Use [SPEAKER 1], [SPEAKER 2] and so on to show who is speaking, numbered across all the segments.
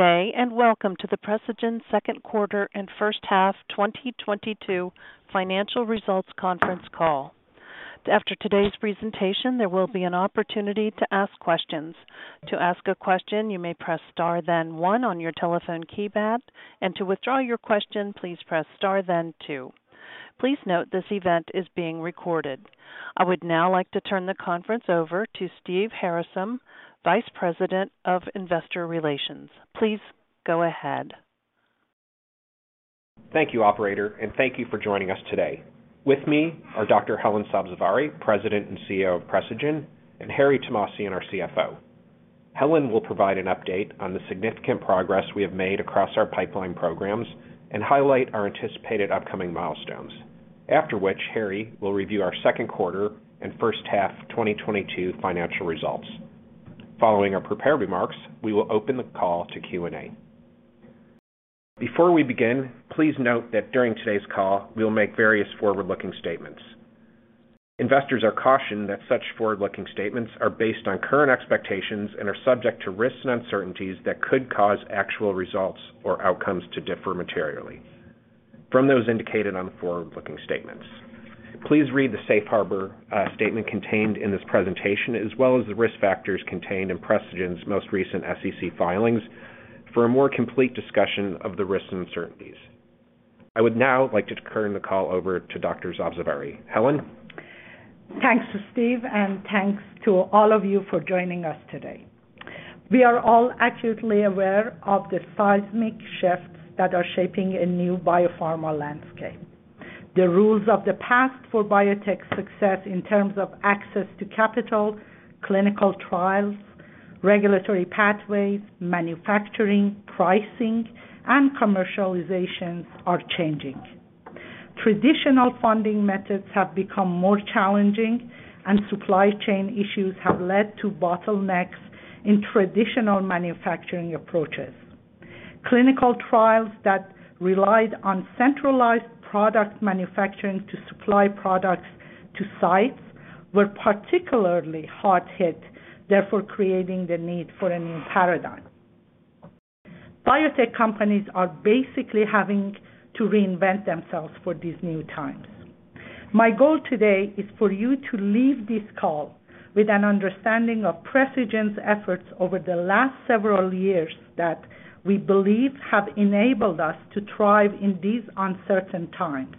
[SPEAKER 1] Good day, and welcome to the Precigen second quarter and first half 2022 financial results conference call. After today's presentation, there will be an opportunity to ask questions. To ask a question, you may press star then one on your telephone keypad, and to withdraw your question, please press star then two. Please note this event is being recorded. I would now like to turn the conference over to Steven Harasym, Vice President of Investor Relations. Please go ahead.
[SPEAKER 2] Thank you, operator, and thank you for joining us today. With me are Dr. Helen Sabzevari, President and CEO of Precigen, and Harry Thomasian, our CFO. Helen will provide an update on the significant progress we have made across our pipeline programs and highlight our anticipated upcoming milestones. After which, Harry will review our second quarter and first half 2022 financial results. Following our prepared remarks, we will open the call to Q&A. Before we begin, please note that during today's call, we will make various forward-looking statements. Investors are cautioned that such forward-looking statements are based on current expectations and are subject to risks and uncertainties that could cause actual results or outcomes to differ materially from those indicated on the forward-looking statements. Please read the safe harbor statement contained in this presentation, as well as the risk factors contained in Precigen's most recent SEC filings for a more complete discussion of the risks and uncertainties. I would now like to turn the call over to Dr. Sabzevari. Helen?
[SPEAKER 3] Thanks, Steve, and thanks to all of you for joining us today. We are all acutely aware of the seismic shifts that are shaping a new biopharma landscape. The rules of the past for biotech success in terms of access to capital, clinical trials, regulatory pathways, manufacturing, pricing, and commercialization are changing. Traditional funding methods have become more challenging, and supply chain issues have led to bottlenecks in traditional manufacturing approaches. Clinical trials that relied on centralized product manufacturing to supply products to sites were particularly hard hit, therefore creating the need for a new paradigm. Biotech companies are basically having to reinvent themselves for these new times. My goal today is for you to leave this call with an understanding of Precigen's efforts over the last several years that we believe have enabled us to thrive in these uncertain times.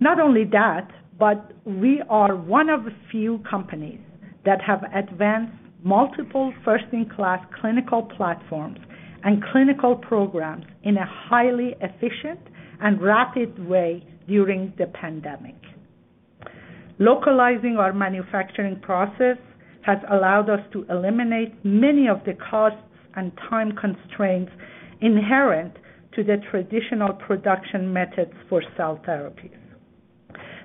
[SPEAKER 3] Not only that, but we are one of the few companies that have advanced multiple first-in-class clinical platforms and clinical programs in a highly efficient and rapid way during the pandemic. Localizing our manufacturing process has allowed us to eliminate many of the costs and time constraints inherent to the traditional production methods for cell therapies.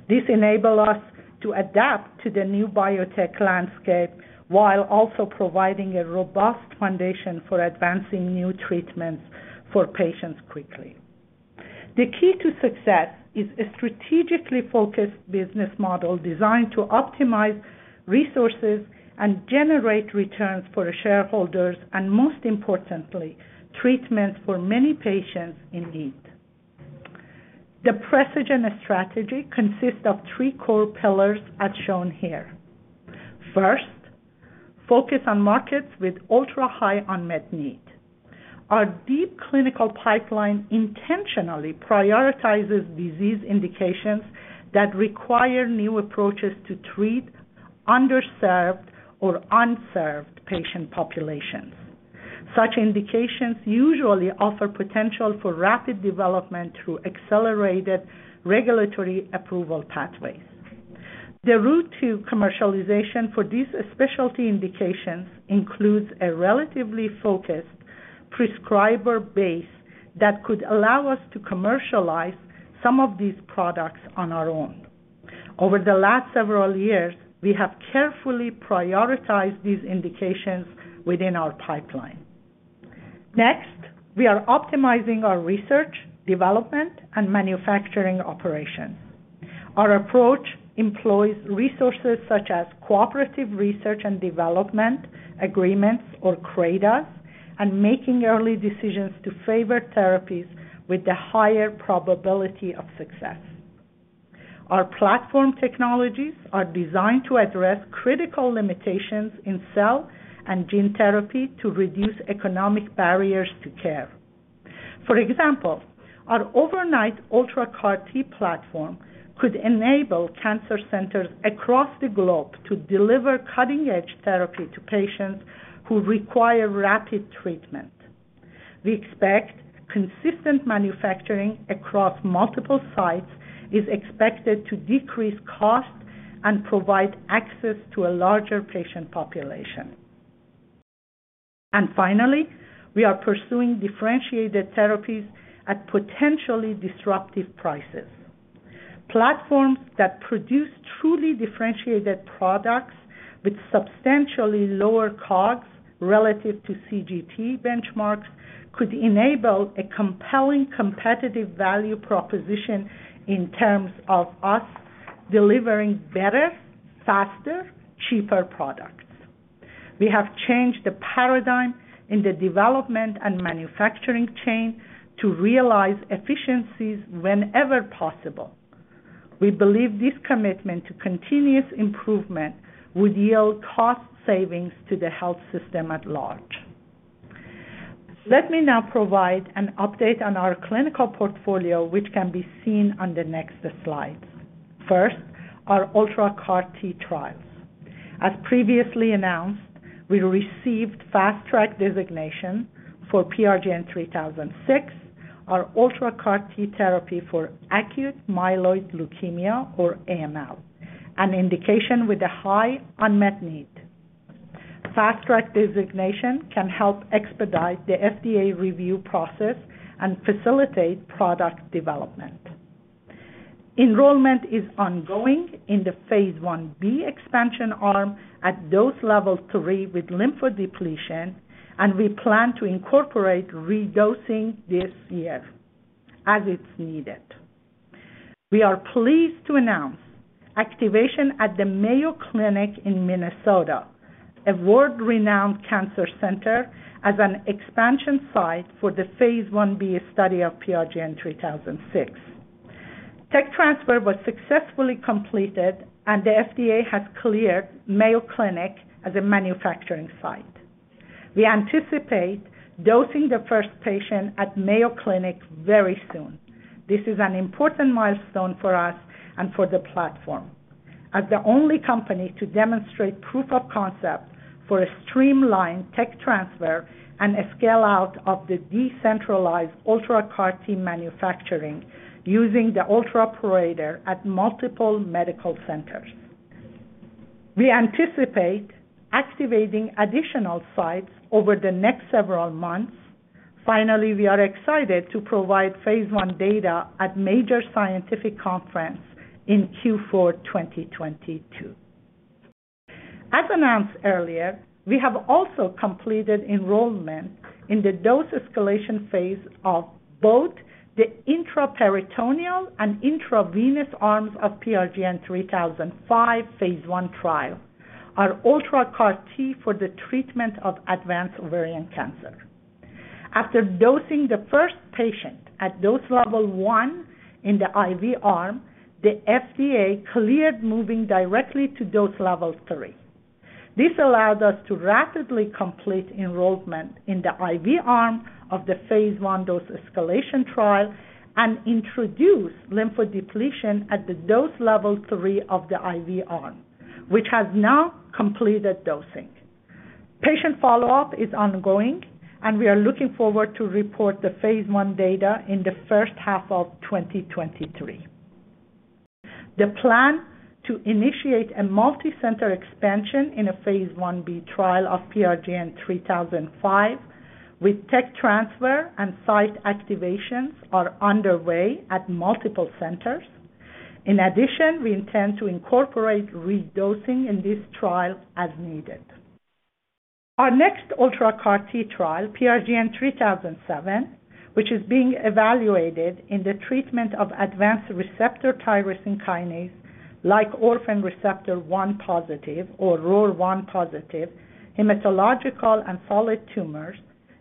[SPEAKER 3] This enables us to adapt to the new biotech landscape while also providing a robust foundation for advancing new treatments for patients quickly. The key to success is a strategically focused business model designed to optimize resources and generate returns for our shareholders and, most importantly, treatments for many patients in need. The Precigen strategy consists of three core pillars as shown here. First, focus on markets with ultra-high unmet need. Our deep clinical pipeline intentionally prioritizes disease indications that require new approaches to treat underserved or unserved patient populations. Such indications usually offer potential for rapid development through accelerated regulatory approval pathways. The route to commercialization for these specialty indications includes a relatively focused prescriber base that could allow us to commercialize some of these products on our own. Over the last several years, we have carefully prioritized these indications within our pipeline. Next, we are optimizing our research, development, and manufacturing operations. Our approach employs resources such as cooperative research and development agreements, or CRADAs, and making early decisions to favor therapies with the higher probability of success. Our platform technologies are designed to address critical limitations in cell and gene therapy to reduce economic barriers to care. For example, our UltraCAR-T platform could enable cancer centers across the globe to deliver cutting-edge therapy to patients who require rapid treatment. We expect consistent manufacturing across multiple sites to decrease costs and provide access to a larger patient population. Finally, we are pursuing differentiated therapies at potentially disruptive prices. Platforms that produce truly differentiated products with substantially lower costs relative to CGT benchmarks could enable a compelling competitive value proposition in terms of us delivering better, faster, cheaper products. We have changed the paradigm in the development and manufacturing chain to realize efficiencies whenever possible. We believe this commitment to continuous improvement would yield cost savings to the health system at large. Let me now provide an update on our clinical portfolio, which can be seen on the next slide. First, our UltraCAR-T trials. As previously announced, we received Fast Track designation for PRGN-3006, our UltraCAR-T therapy for acute myeloid leukemia, or AML, an indication with a high unmet need. Fast Track designation can help expedite the FDA review process and facilitate product development. Enrollment is ongoing in the phase 1b expansion arm at dose level 3 with lymphodepletion, and we plan to incorporate redosing this year as it's needed. We are pleased to announce activation at the Mayo Clinic in Minnesota, a world-renowned cancer center, as an expansion site for the phase 1b study of PRGN-3006. Tech transfer was successfully completed, and the FDA has cleared Mayo Clinic as a manufacturing site. We anticipate dosing the first patient at Mayo Clinic very soon. This is an important milestone for us and for the platform. As the only company to demonstrate proof of concept for a streamlined tech transfer and a scale-out of the decentralized UltraCAR-T manufacturing using the UltraPorator at multiple medical centers. We anticipate activating additional sites over the next several months. Finally, we are excited to provide phase 1 data at major scientific conference in Q4 2022. As announced earlier, we have also completed enrollment in the dose escalation phase of both the intraperitoneal and intravenous arms of PRGN-3005 phase 1 trial, our UltraCAR-T for the treatment of advanced ovarian cancer. After dosing the first patient at dose level 1 in the IV arm, the FDA cleared moving directly to dose level 3. This allowed us to rapidly complete enrollment in the IV arm of the phase 1 dose escalation trial and introduce lymphodepletion at the dose level 3 of the IV arm, which has now completed dosing. Patient follow-up is ongoing, and we are looking forward to report the phase 1 data in the first half of 2023. The plan to initiate a multicenter expansion in a phase 1b trial of PRGN-3005 with tech transfer and site activations are underway at multiple centers. In addition, we intend to incorporate redosing in this trial as needed. Our next UltraCAR-T trial, PRGN-3007, which is being evaluated in the treatment of advanced receptor tyrosine kinase-like orphan receptor one positive, or ROR1 positive, hematological and solid tumors,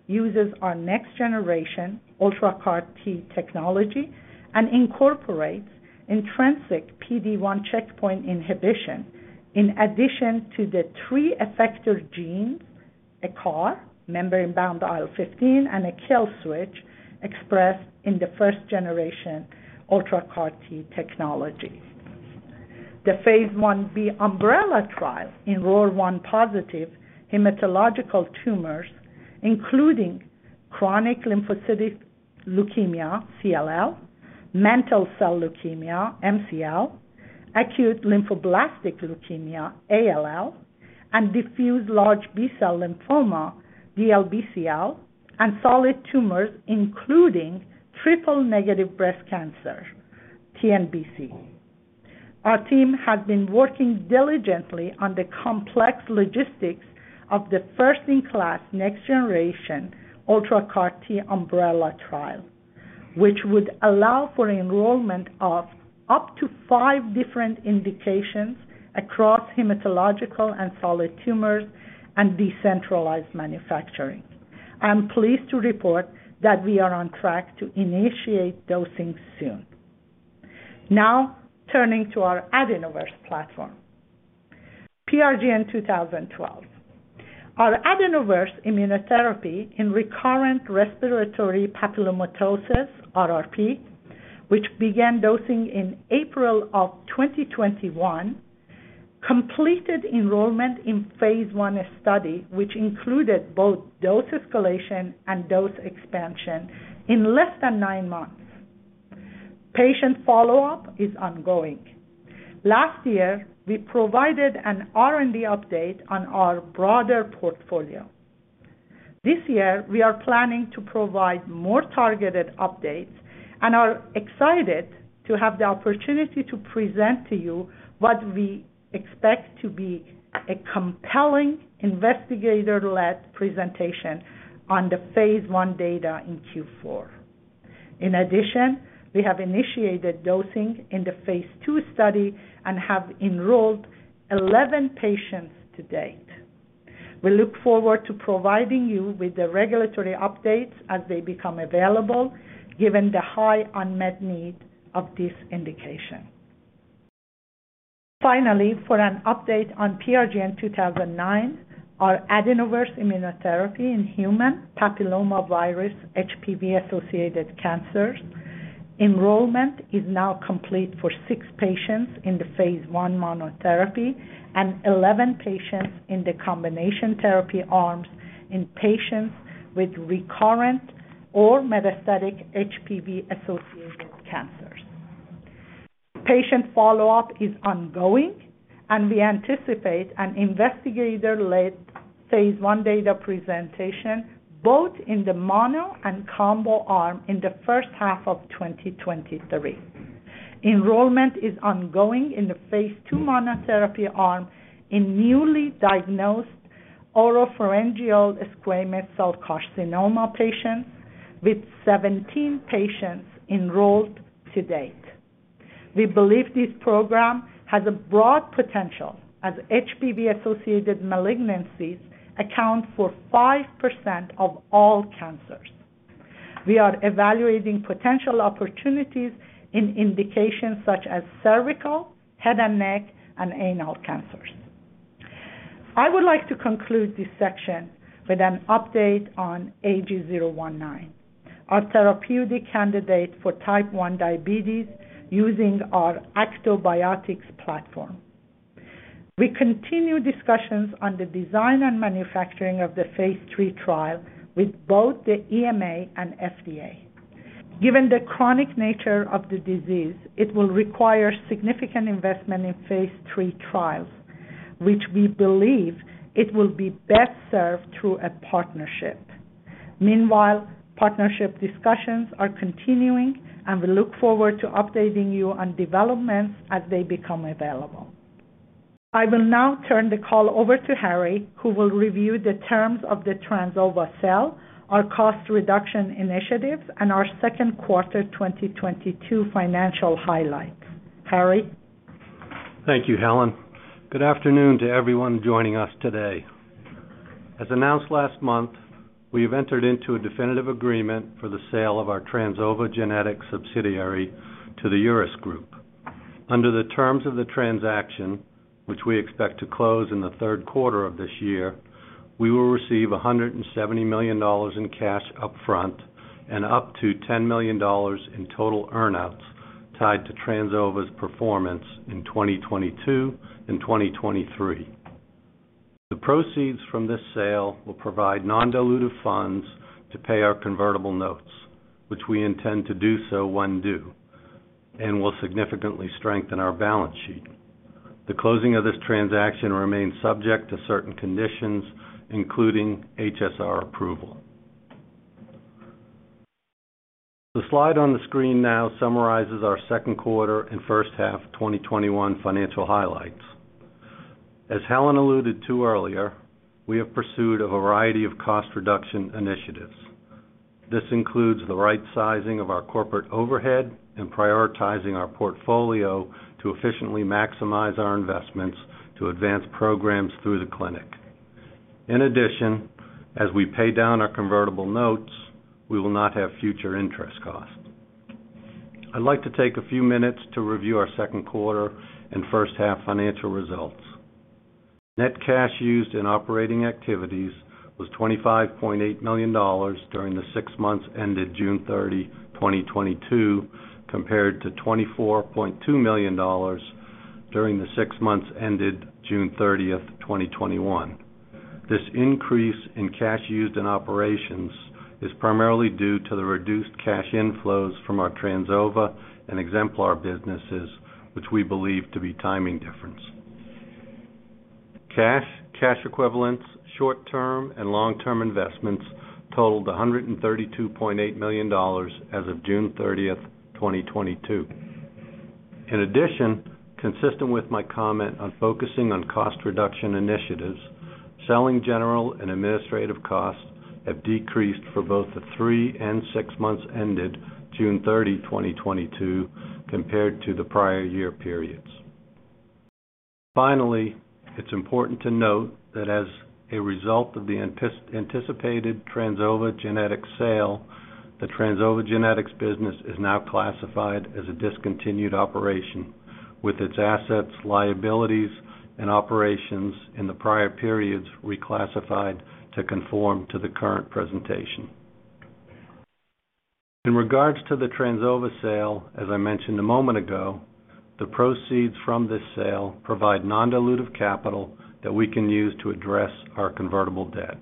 [SPEAKER 3] uses our next generation UltraCAR-T technology and incorporates intrinsic PD-1 checkpoint inhibition in addition to the three effector genes, a CAR, membrane-bound IL-15, and a kill switch expressed in the first generation Ultra CAR-T technology. The phase 1b umbrella trial in ROR1 positive hematological tumors, including chronic lymphocytic leukemia, CLL, mantle cell lymphoma, MCL, acute lymphoblastic leukemia, ALL, and diffuse large B-cell lymphoma, DLBCL, and solid tumors, including Triple-Negative Breast Cancer, TNBC. Our team has been working diligently on the complex logistics of the first-in-class next generation UltraCAR-T umbrella trial, which would allow for enrollment of up to five different indications across hematological and solid tumors and decentralized manufacturing. I'm pleased to report that we are on track to initiate dosing soon. Now, turning to our AdenoVerse platform. PRGN-2012, our AdenoVerse immunotherapy in recurrent respiratory papillomatosis, RRP, which began dosing in April of 2021, completed enrollment in phase 1 study, which included both dose escalation and dose expansion in less than nine months. Patient follow-up is ongoing. Last year, we provided an R&D update on our broader portfolio. This year, we are planning to provide more targeted updates and are excited to have the opportunity to present to you what we expect to be a compelling investigator-led presentation on the phase 1 data in Q4. In addition, we have initiated dosing in the phase 2 study and have enrolled 11 patients to date. We look forward to providing you with the regulatory updates as they become available, given the high unmet need of this indication. Finally, for an update on PRGN-2009, our adenovirus immunotherapy in human papillomavirus, HPV-associated cancers, enrollment is now complete for six patients in the phase 1 monotherapy and 11 patients in the combination therapy arms in patients with recurrent or metastatic HPV-associated cancers. Patient follow-up is ongoing, and we anticipate an investigator-led phase 1 data presentation both in the mono and combo arm in the first half of 2023. Enrollment is ongoing in the phase 2 monotherapy arm in newly diagnosed oropharyngeal squamous cell carcinoma patients with 17 patients enrolled to date. We believe this program has a broad potential as HPV-associated malignancies account for 5% of all cancers. We are evaluating potential opportunities in indications such as cervical, head and neck, and anal cancers. I would like to conclude this section with an update on AG019, our therapeutic candidate for Type 1 Diabetes using our ActoBiotics platform. We continue discussions on the design and manufacturing of the phase 3 trial with both the EMA and FDA. Given the chronic nature of the disease, it will require significant investment in phase 3 trials, which we believe it will be best served through a partnership. Meanwhile, partnership discussions are continuing, and we look forward to updating you on developments as they become available. I will now turn the call over to Harry, who will review the terms of the Trans Ova sale, our cost reduction initiatives, and our second quarter 2022 financial highlights. Harry?
[SPEAKER 4] Thank you, Helen. Good afternoon to everyone joining us today. As announced last month, we have entered into a definitive agreement for the sale of our Trans Ova Genetics subsidiary to the URUS Group. Under the terms of the transaction, which we expect to close in the third quarter of this year, we will receive $170 million in cash upfront and up to $10 million in total earn-outs tied to Trans Ova's performance in 2022 and 2023. The proceeds from this sale will provide non-dilutive funds to pay our convertible notes, which we intend to do so when due, and will significantly strengthen our balance sheet. The closing of this transaction remains subject to certain conditions, including HSR approval. The slide on the screen now summarizes our second quarter and first half of 2021 financial highlights. As Helen alluded to earlier, we have pursued a variety of cost reduction initiatives. This includes the right sizing of our corporate overhead and prioritizing our portfolio to efficiently maximize our investments to advance programs through the clinic. In addition, as we pay down our convertible notes, we will not have future interest costs. I'd like to take a few minutes to review our second quarter and first half financial results. Net cash used in operating activities was $25.8 million during the six months ended June 30, 2022, compared to $24.2 million during the six months ended June 30th, 2021. This increase in cash used in operations is primarily due to the reduced cash inflows from our Trans Ova and Exemplar businesses, which we believe to be timing difference. Cash, cash equivalents, short-term, and long-term investments totaled $132.8 million as of June 30th, 2022. In addition, consistent with my comment on focusing on cost reduction initiatives, selling general and administrative costs have decreased for both the three and six months ended June 30, 2022, compared to the prior year periods. Finally, it's important to note that as a result of the anticipated Trans Ova Genetics sale, the Trans Ova Genetics business is now classified as a discontinued operation, with its assets, liabilities, and operations in the prior periods reclassified to conform to the current presentation. In regards to the Trans Ova sale, as I mentioned a moment ago, the proceeds from this sale provide non-dilutive capital that we can use to address our convertible debt.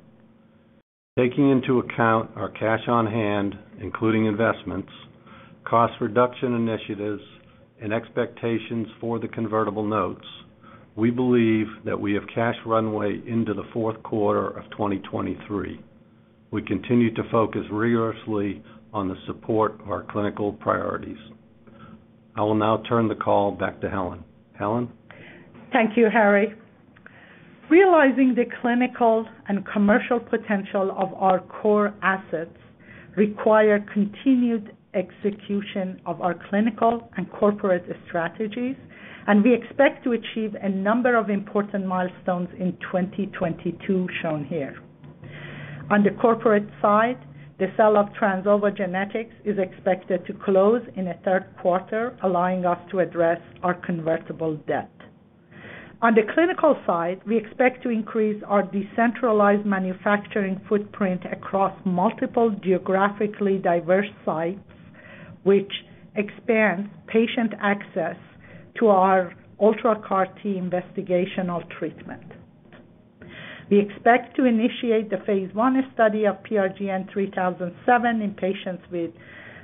[SPEAKER 4] Taking into account our cash on hand, including investments, cost reduction initiatives, and expectations for the convertible notes, we believe that we have cash runway into the fourth quarter of 2023. We continue to focus rigorously on the support of our clinical priorities. I will now turn the call back to Helen. Helen?
[SPEAKER 3] Thank you, Harry. Realizing the clinical and commercial potential of our core assets requires continued execution of our clinical and corporate strategies, and we expect to achieve a number of important milestones in 2022 shown here. On the corporate side, the sale of Trans Ova Genetics is expected to close in the third quarter, allowing us to address our convertible debt. On the clinical side, we expect to increase our decentralized manufacturing footprint across multiple geographically diverse sites, which expands patient access to our UltraCAR-T investigational treatment. We expect to initiate the phase 1 study of PRGN-3007 in patients with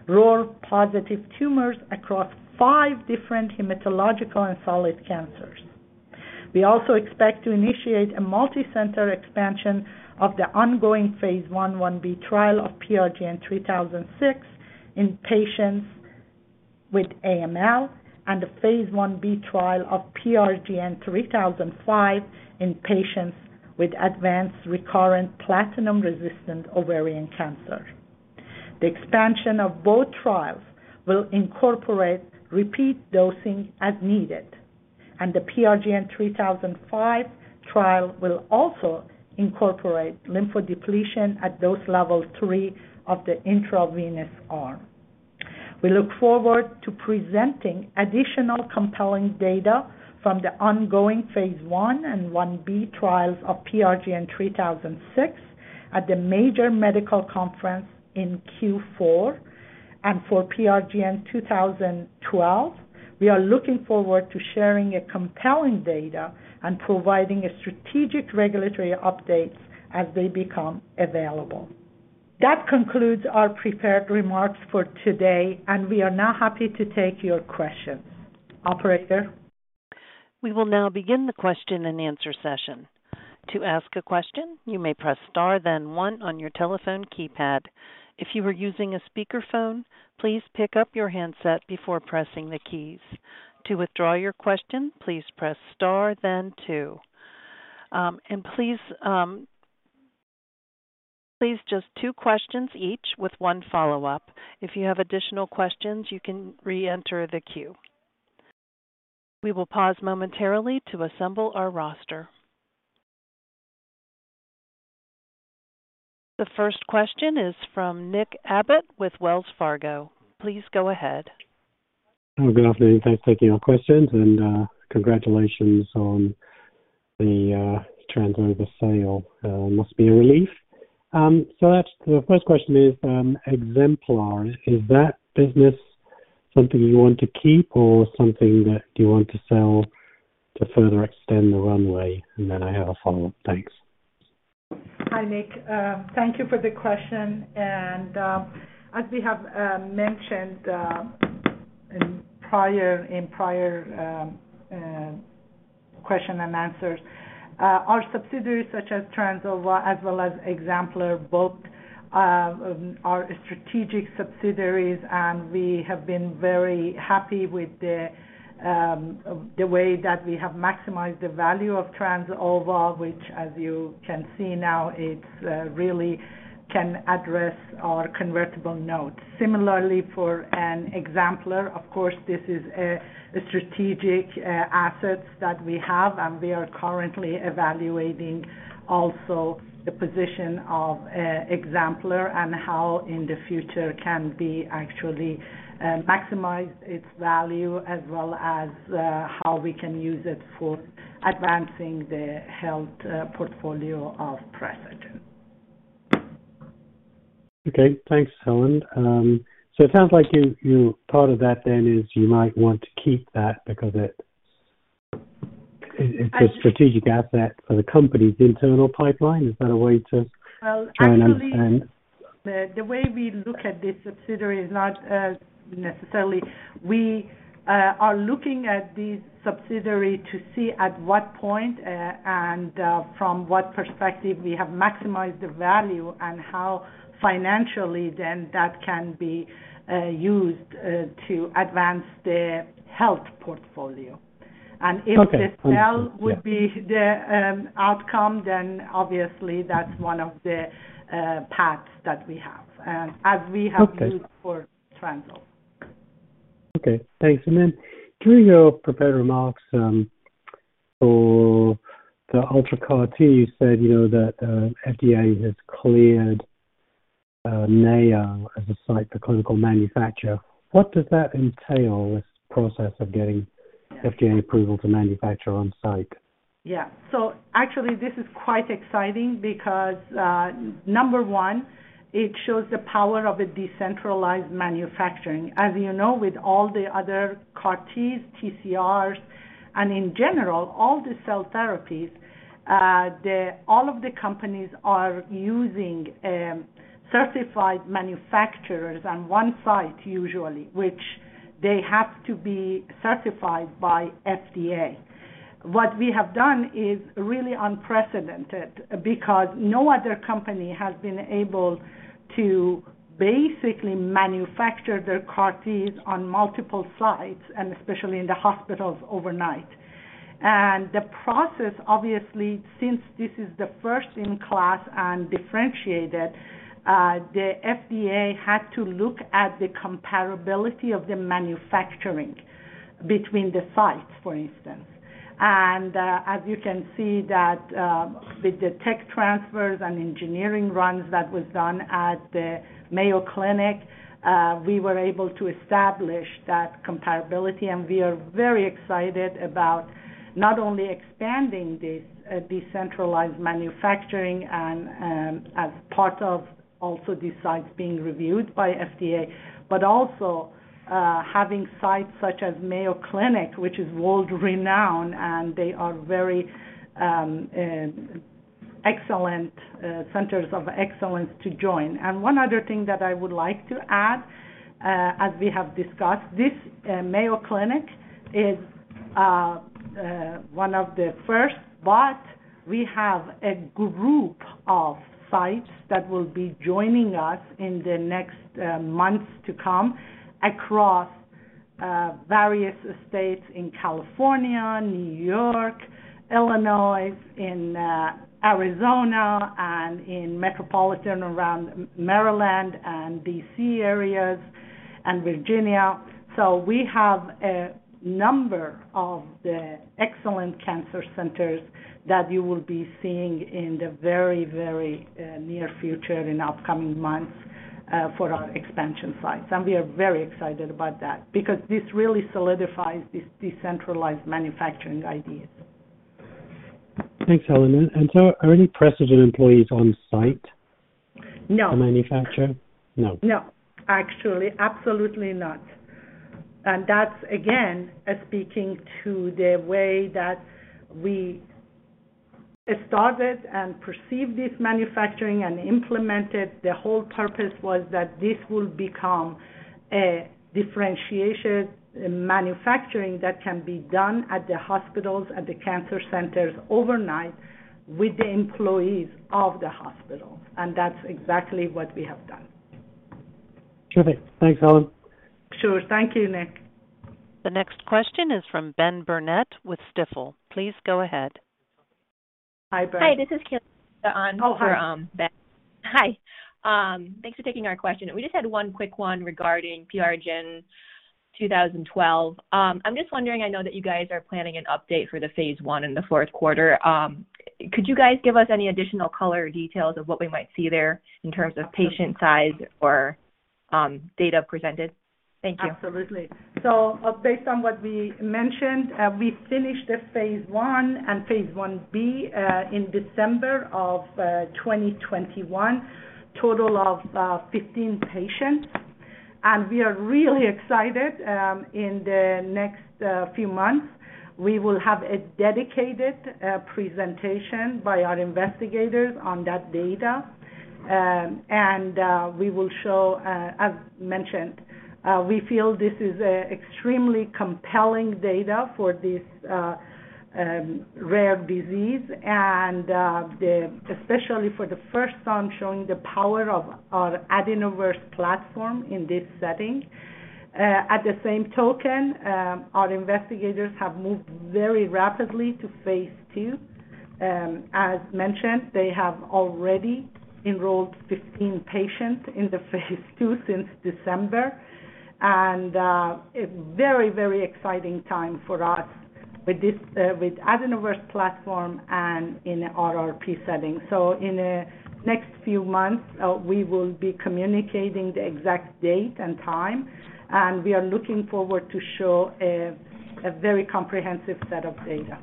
[SPEAKER 3] ROR1-positive tumors across five different hematological and solid cancers. We also expect to initiate a multicenter expansion of the ongoing phase 1/1b trial of PRGN-3006 in patients with AML and the phase 1b trial of PRGN-3005 in patients with advanced recurrent platinum-resistant ovarian cancer. The expansion of both trials will incorporate repeat dosing as needed, and the PRGN-3005 trial will also incorporate lymphodepletion at dose level 3 of the intravenous arm. We look forward to presenting additional compelling data from the ongoing phase 1 and phase 1b trials of PRGN-3006 at the major medical conference in Q4. For PRGN-2012, we are looking forward to sharing a compelling data and providing a strategic regulatory updates as they become available. That concludes our prepared remarks for today, and we are now happy to take your questions. Operator?
[SPEAKER 1] We will now begin the question-and-answer session. To ask a question, you may press star then one on your telephone keypad. If you are using a speakerphone, please pick up your handset before pressing the keys. To withdraw your question, please press star then two. Please just two questions each with one follow-up. If you have additional questions, you can reenter the queue. We will pause momentarily to assemble our roster. The first question is from Nick Abbott with Wells Fargo. Please go ahead.
[SPEAKER 5] Good afternoon. Thanks for taking our questions and congratulations on the Trans Ova sale. Must be a relief. That's the first question, Exemplar. Is that business something you want to keep or something that you want to sell to further extend the runway? Then I have a follow-up. Thanks.
[SPEAKER 3] Hi, Nick. Thank you for the question. As we have mentioned in prior question-and-answers, our subsidiaries such as Trans Ova as well as Exemplar, both are strategic subsidiaries, and we have been very happy with the way that we have maximized the value of Trans Ova, which, as you can see now, it really can address our convertible notes. Similarly, for Exemplar, of course, this is a strategic asset that we have, and we are currently evaluating also the position of Exemplar and how in the future can we actually maximize its value as well as how we can use it for advancing the health portfolio of Precigen.
[SPEAKER 5] Okay. Thanks, Helen. It sounds like you thought of that then is you might want to keep that because it's a strategic asset for the company's internal pipeline. Is that a way to try and understand?
[SPEAKER 3] Well, actually, the way we look at this subsidiary is not necessarily. We are looking at this subsidiary to see at what point and from what perspective we have maximized the value and how financially then that can be used to advance the health portfolio.
[SPEAKER 5] Okay.
[SPEAKER 3] If the sale would be the outcome, then obviously that's one of the paths that we have as we have used for Trans Ova.
[SPEAKER 5] Okay. Thanks. During your prepared remarks, for the UltraCAR-T, you said, you know, that FDA has cleared Mayo as a site for clinical manufacture. What does that entail, this process of getting FDA approval to manufacture on-site?
[SPEAKER 3] Yeah. Actually this is quite exciting because, number one, it shows the power of a decentralized manufacturing. As you know, with all the other CAR-Ts, TCRs, and in general, all the cell therapies, all of the companies are using certified manufacturers on one site usually, which they have to be certified by FDA. What we have done is really unprecedented because no other company has been able to basically manufacture their CAR-Ts on multiple sites, and especially in the hospitals overnight. The process, obviously, since this is the first in class and differentiated, the FDA had to look at the comparability of the manufacturing between the sites, for instance. As you can see that, with the tech transfers and engineering runs that was done at the Mayo Clinic, we were able to establish that comparability. We are very excited about not only expanding this decentralized manufacturing and, as part of also these sites being reviewed by FDA, but also having sites such as Mayo Clinic, which is world-renowned, and they are very excellent centers of excellence to join. One other thing that I would like to add, as we have discussed, this Mayo Clinic is one of the first, but we have a group of sites that will be joining us in the next months to come across various states in California, New York, Illinois, in Arizona, and in metropolitan around Maryland and D.C. areas and Virginia. We have a number of the excellent cancer centers that you will be seeing in the very, very near future in upcoming months for our expansion sites. We are very excited about that because this really solidifies this decentralized manufacturing ideas.
[SPEAKER 5] Thanks, Helen. Are any Precigen employees on site?
[SPEAKER 3] No
[SPEAKER 5] To manufacture? No.
[SPEAKER 3] No. Actually, absolutely not. That's again, speaking to the way that we started and perceived this manufacturing and implemented. The whole purpose was that this will become a differentiation manufacturing that can be done at the hospitals, at the cancer centers overnight with the employees of the hospital. That's exactly what we have done.
[SPEAKER 5] Terrific. Thanks, Helen.
[SPEAKER 3] Sure. Thank you, Nick.
[SPEAKER 1] The next question is from Ben Burnett with Stifel. Please go ahead.
[SPEAKER 3] Hi, Ben.
[SPEAKER 6] Hi, this is Kayla.
[SPEAKER 3] Oh, hi.
[SPEAKER 6] For Ben. Hi. Thanks for taking our question. We just had one quick one regarding PRGN-2012. I'm just wondering, I know that you guys are planning an update for the phase 1 in the fourth quarter. Could you guys give us any additional color or details of what we might see there in terms of patient size or data presented? Thank you.
[SPEAKER 3] Absolutely. Based on what we mentioned, we finished the phase 1 and phase 1b in December of 2021, total of 15 patients. We are really excited, in the next few months, we will have a dedicated presentation by our investigators on that data. And we will show, as mentioned, we feel this is extremely compelling data for this rare disease, and especially for the first time showing the power of our AdenoVerse platform in this setting. At the same time, our investigators have moved very rapidly to phase 2. As mentioned, they have already enrolled 15 patients in the phase 2 since December. A very, very exciting time for us with this AdenoVerse platform and in RRP setting. In the next few months, we will be communicating the exact date and time, and we are looking forward to show a very comprehensive set of data.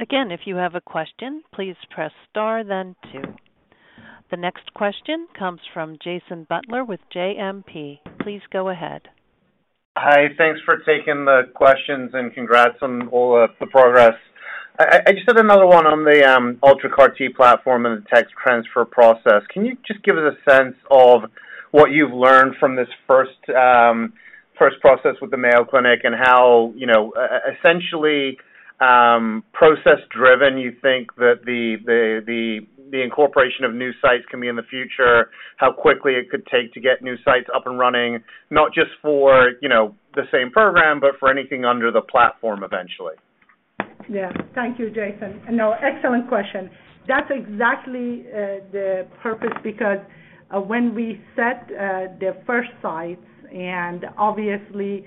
[SPEAKER 1] Again, if you have a question, please press Star, then two. The next question comes from Jason Butler with JMP. Please go ahead.
[SPEAKER 7] Hi. Thanks for taking the questions, and congrats on all the progress. I just had another one on the UltraCAR-T platform and the tech transfer process. Can you just give us a sense of what you've learned from this first process with the Mayo Clinic and how, you know, essentially, process-driven you think that the incorporation of new sites can be in the future, how quickly it could take to get new sites up and running, not just for, you know, the same program, but for anything under the platform eventually?
[SPEAKER 3] Yeah. Thank you, Jason. No, excellent question. That's exactly the purpose because when we set the first sites, and obviously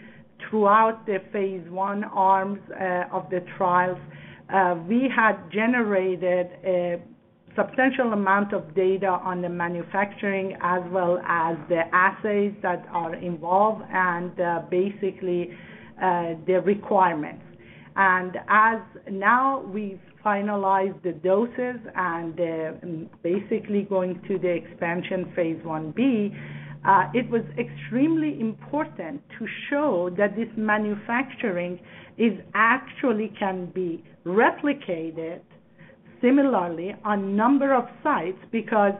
[SPEAKER 3] throughout the phase 1 arms of the trials, we had generated a substantial amount of data on the manufacturing as well as the assays that are involved and basically the requirements. Now we've finalized the doses and basically going to the expansion phase 1b, it was extremely important to show that this manufacturing is actually can be replicated similarly on number of sites. Because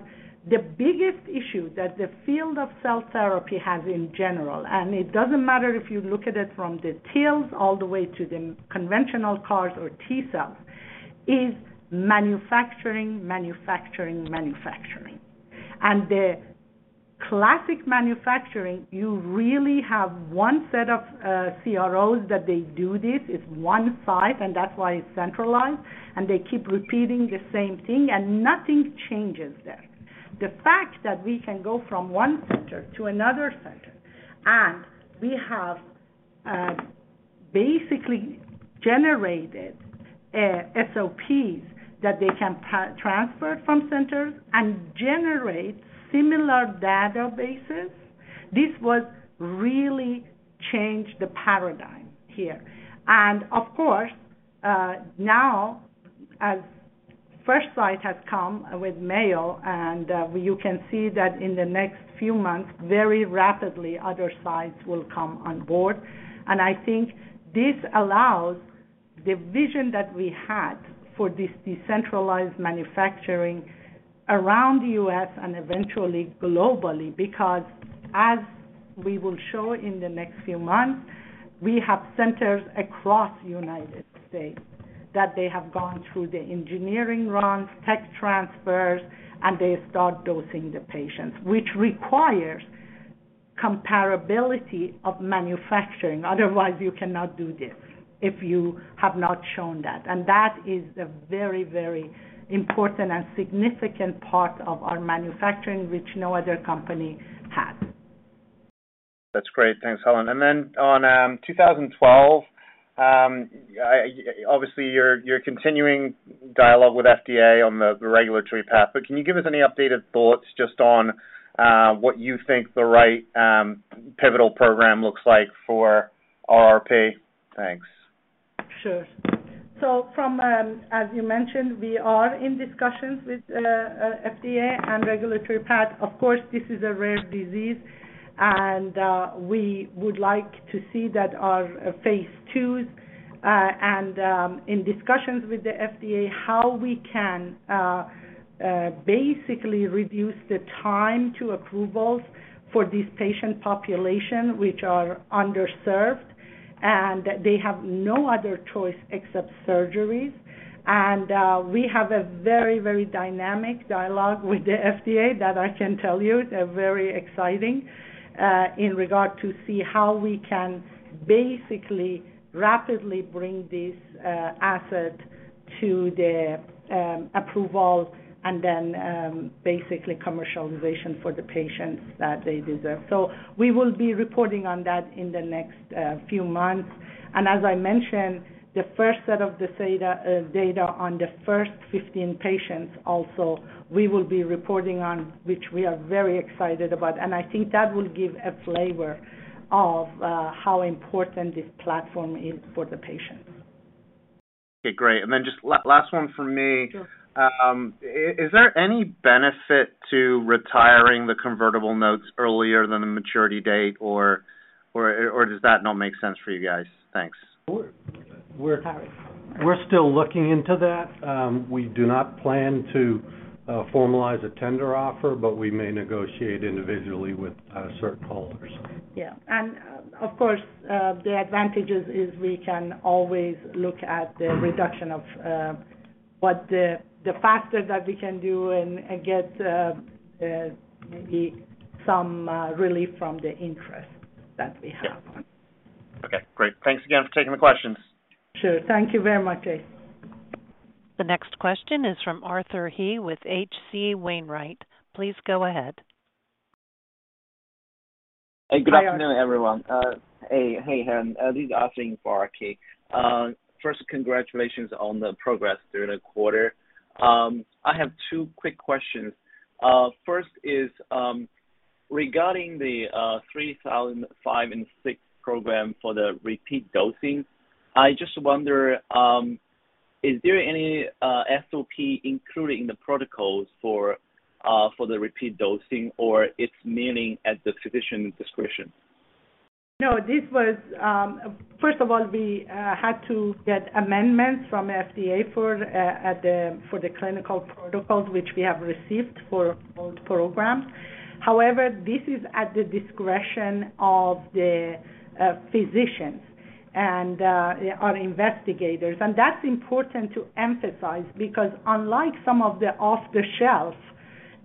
[SPEAKER 3] the biggest issue that the field of cell therapy has in general, and it doesn't matter if you look at it from the TILs all the way to the conventional CARs or T-cells is manufacturing. The classic manufacturing, you really have one set of CROs that they do this. It's one site, and that's why it's centralized, and they keep repeating the same thing and nothing changes there. The fact that we can go from one center to another center, and we have basically generated SOPs that they can transfer from centers and generate similar databases, this has really changed the paradigm here. Of course, now the first site has come with Mayo, and you can see that in the next few months, very rapidly other sites will come on board. I think this allows the vision that we had for this decentralized manufacturing around the U.S. and eventually globally. Because as we will show in the next few months, we have centers across United States that they have gone through the engineering runs, tech transfers, and they start dosing the patients, which requires comparability of manufacturing. Otherwise, you cannot do this if you have not shown that. That is a very, very important and significant part of our manufacturing, which no other company has.
[SPEAKER 7] That's great. Thanks, Helen. On PRGN-2012, obviously, you're continuing dialogue with FDA on the regulatory path, but can you give us any updated thoughts just on what you think the right pivotal program looks like for RRP? Thanks.
[SPEAKER 3] Sure. As you mentioned, we are in discussions with FDA and regulatory path. Of course, this is a rare disease, and we would like to see that our phase 2s and in discussions with the FDA, how we can basically reduce the time to approvals for this patient population, which are underserved, and they have no other choice except surgeries. We have a very, very dynamic dialogue with the FDA that I can tell you, they're very exciting, in regard to see how we can basically rapidly bring this asset to the approval and then basically commercialization for the patients that they deserve. We will be reporting on that in the next few months. As I mentioned, the first set of the AG019 data on the first 15 patients, we will be reporting on, which we are very excited about. I think that will give a flavor of how important this platform is for the patient.
[SPEAKER 7] Okay, great. Just last one from me.
[SPEAKER 3] Sure.
[SPEAKER 7] Is there any benefit to retiring the convertible notes earlier than the maturity date or does that not make sense for you guys? Thanks.
[SPEAKER 4] We're still looking into that. We do not plan to formalize a tender offer, but we may negotiate individually with certain holders.
[SPEAKER 3] Yeah. Of course, the advantages is we can always look at the reduction of the faster that we can do and get maybe some relief from the interest that we have.
[SPEAKER 7] Yeah. Okay, great. Thanks again for taking the questions.
[SPEAKER 3] Sure. Thank you very much, Jason.
[SPEAKER 1] The next question is from Arthur He with H.C. Wainwright. Please go ahead.
[SPEAKER 8] Hey, good afternoon, everyone. Hey, Helen. This is Arthur He from H.C. Wainwright. First, congratulations on the progress during the quarter. I have two quick questions. First is regarding the PRGN-3005 and PRGN-3006 program for the repeat dosing. I just wonder, is there any SOP included in the protocols for the repeat dosing or it's mainly at the physician discretion?
[SPEAKER 3] No, this was first of all, we had to get amendments from FDA for the clinical protocols, which we have received for both programs. However, this is at the discretion of the physicians and our investigators. That's important to emphasize, because unlike some of the off-the-shelf,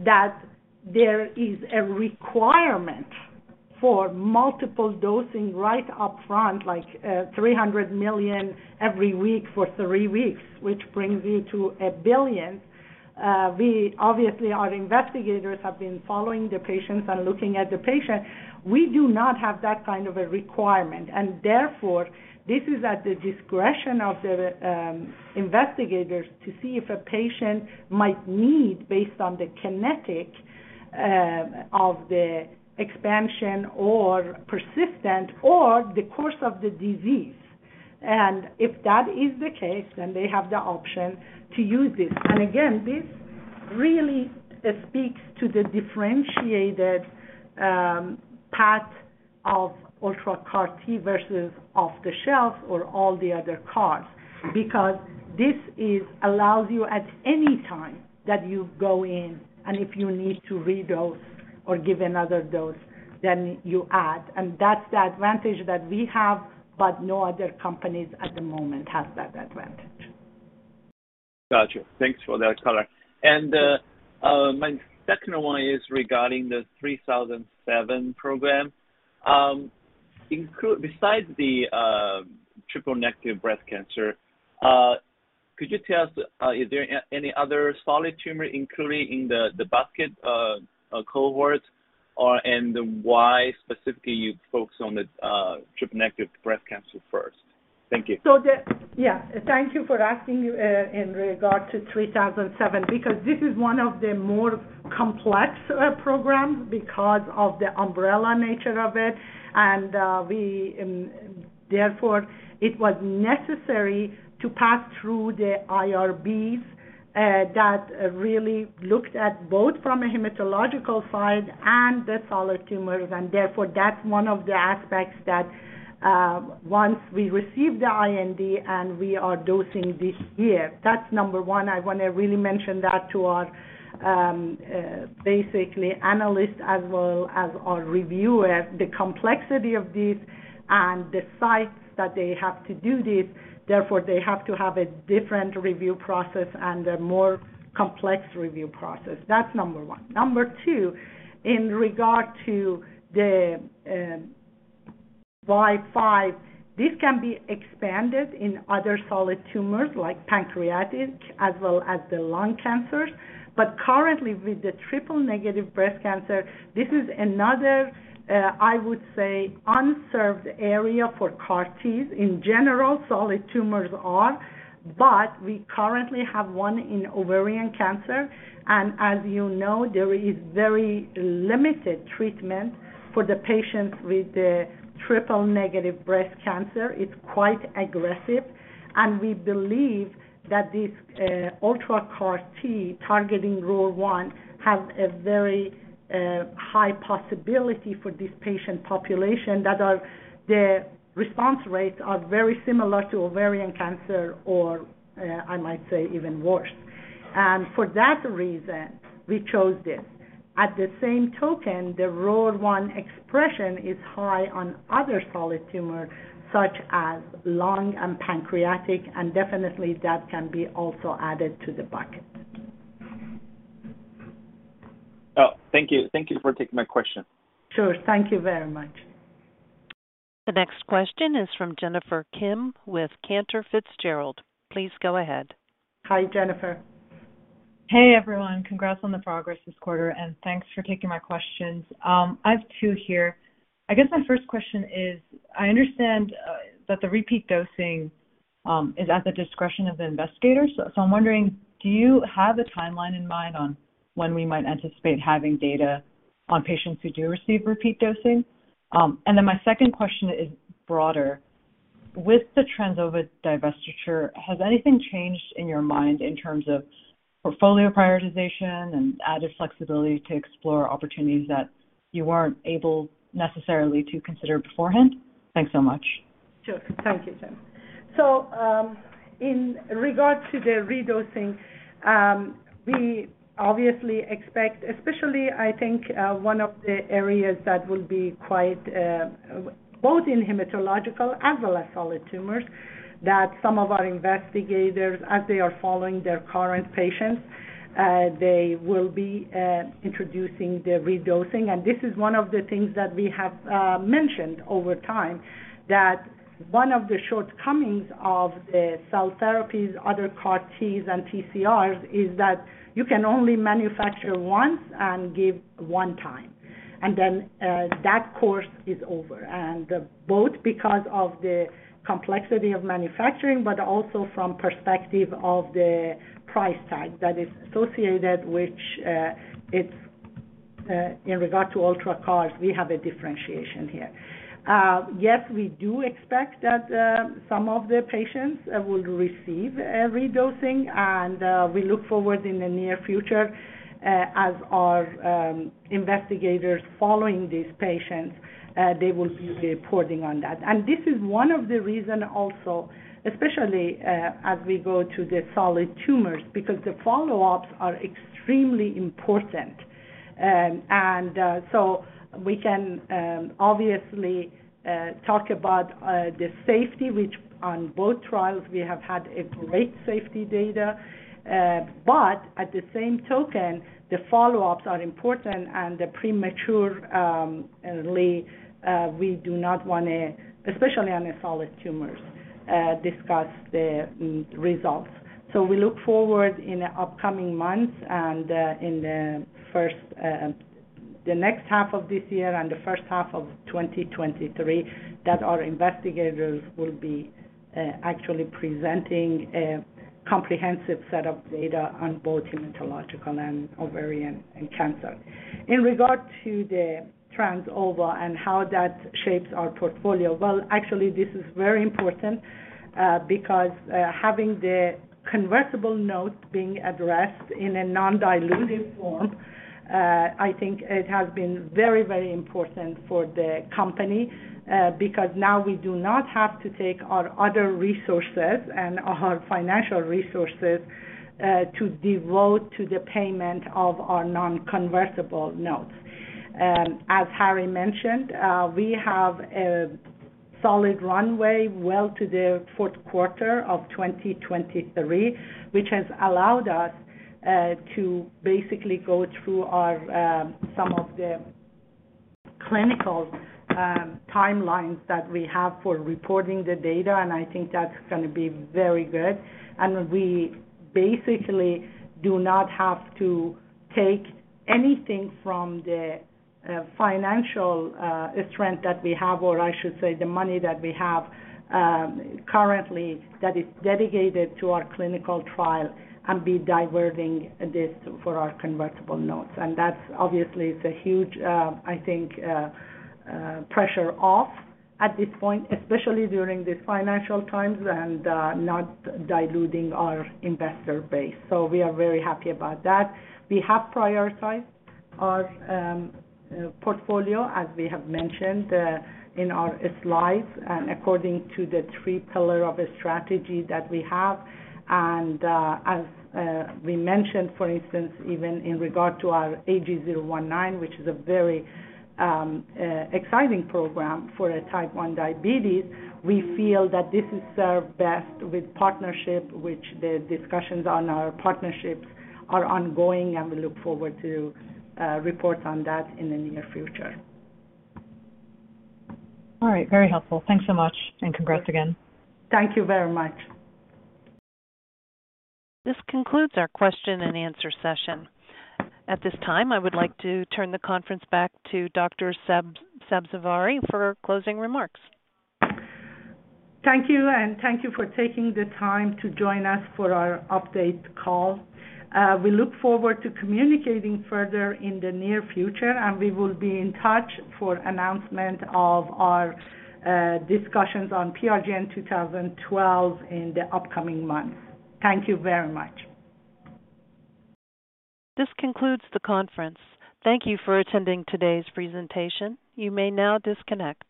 [SPEAKER 3] that there is a requirement for multiple dosing right up front, like 300 million every week for three weeks, which brings you to 1 billion. We obviously, our investigators have been following the patients and looking at the patient. We do not have that kind of a requirement. This is at the discretion of the investigators to see if a patient might need based on the kinetics of the expansion or persistence or the course of the disease. If that is the case, then they have the option to use this. Again, this really speaks to the differentiated path of UltraCAR-T versus off-the-shelf or all the other CARs, because this allows you at any time that you go in and if you need to redose or give another dose. Then you add, and that's the advantage that we have, but no other companies at the moment have that advantage.
[SPEAKER 8] Got you. Thanks for that color. My second one is regarding the PRGN-3007 program. Besides the Triple-Negative Breast Cancer, could you tell us, is there any other solid tumor, including the basket cohort, and why specifically you focus on the Triple-Negative Breast Cancer first? Thank you.
[SPEAKER 3] Yeah, thank you for asking, in regard to PRGN-3007, because this is one of the more complex programs because of the umbrella nature of it. Therefore, it was necessary to pass through the IRBs that really looked at both from a hematological side and the solid tumors, and therefore that's one of the aspects that, once we receive the IND and we are dosing this year, that's number one. I want to really mention that to our basically analysts as well as our reviewers, the complexity of this and the sites that they have to do this, therefore they have to have a different review process and a more complex review process. That's number one. Number two, in regard to the PRGN-3005, this can be expanded in other solid tumors like pancreatic as well as the lung cancers. Currently with the Triple-Negative Breast Cancer, this is another, I would say unserved area for CAR-Ts. In general, solid tumors are, but we currently have one in ovarian cancer. As you know, there is very limited treatment for the patients with the Triple-Negative Breast Cancer. It's quite aggressive, and we believe that this, UltraCAR-T targeting ROR1 have a very, high possibility for this patient population that are, the response rates are very similar to ovarian cancer or, I might say even worse. For that reason, we chose this. By the same token, the ROR1 expression is high on other solid tumor such as lung and pancreatic, and definitely that can be also added to the bucket.
[SPEAKER 8] Oh, thank you. Thank you for taking my question.
[SPEAKER 3] Sure. Thank you very much.
[SPEAKER 1] The next question is from Jennifer Kim with Cantor Fitzgerald. Please go ahead.
[SPEAKER 3] Hi, Jennifer.
[SPEAKER 9] Hey, everyone. Congrats on the progress this quarter, and thanks for taking my questions. I have two here. I guess my first question is, I understand that the repeat dosing is at the discretion of the investigators. So I'm wondering, do you have a timeline in mind on when we might anticipate having data on patients who do receive repeat dosing? And then my second question is broader. With the Trans Ova divestiture, has anything changed in your mind in terms of portfolio prioritization and added flexibility to explore opportunities that you weren't able necessarily to consider beforehand? Thanks so much.
[SPEAKER 3] Sure. Thank you, Jen. In regard to the redosing, we obviously expect, especially I think, one of the areas that will be quite, both in hematological as well as solid tumors, that some of our investigators, as they are following their current patients, they will be introducing the redosing. This is one of the things that we have mentioned over time, that one of the shortcomings of the cell therapies, other CAR-Ts and TCRs, is that you can only manufacture once and give one time, and then, that course is over. Both because of the complexity of manufacturing, but also from perspective of the price tag that is associated, which, it's, in regard to UltraCARs, we have a differentiation here. Yes, we do expect that some of the patients will receive redosing, and we look forward in the near future, as our investigators following these patients, they will be reporting on that. This is one of the reason also, especially as we go to the solid tumors, because the follow-ups are extremely important. We can obviously talk about the safety, which, on both trials, we have had a great safety data. At the same token, the follow-ups are important and prematurely we do not want to, especially on the solid tumors, discuss the results. We look forward in the upcoming months and in the next half of this year and the first half of 2023, that our investigators will be actually presenting a comprehensive set of data on both hematological and ovarian cancer. In regard to the Trans Ova and how that shapes our portfolio, well, actually this is very important, because having the convertible note being addressed in a non-dilutive form, I think it has been very, very important for the company, because now we do not have to take our other resources and our financial resources to devote to the payment of our non-convertible notes. As Harry mentioned, we have a solid runway, well to the fourth quarter of 2023, which has allowed us to basically go through our some of the clinical timelines that we have for reporting the data, and I think that's gonna be very good. We basically do not have to take anything from the financial strength that we have, or I should say, the money that we have currently that is dedicated to our clinical trial and be diverting this for our convertible notes. That's obviously, it's a huge, I think, pressure off at this point, especially during these financial times and not diluting our investor base. We are very happy about that. We have prioritized our portfolio, as we have mentioned, in our slides and according to the three pillar of a strategy that we have. As we mentioned, for instance, even in regard to our AG019, which is a very exciting program for Type 1 Diabetes, we feel that this is served best with partnership, which the discussions on our partnerships are ongoing, and we look forward to report on that in the near future.
[SPEAKER 9] All right. Very helpful. Thanks so much, and congrats again.
[SPEAKER 3] Thank you very much.
[SPEAKER 1] This concludes our question-and-answer session. At this time, I would like to turn the conference back to Dr. Sabzevari for closing remarks.
[SPEAKER 3] Thank you, and thank you for taking the time to join us for our update call. We look forward to communicating further in the near future, and we will be in touch for announcement of our discussions on PRGN-2012 in the upcoming months. Thank you very much.
[SPEAKER 1] This concludes the conference. Thank you for attending today's presentation. You may now disconnect.